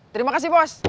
terima kasih bos